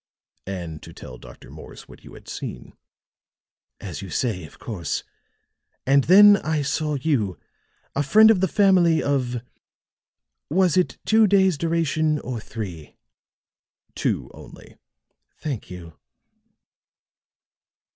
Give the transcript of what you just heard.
"And to tell Dr. Morse what you had seen." "As you say, of course. And then I saw you a friend of the family of was it two days' duration, or three?" "Two only." "Thank you."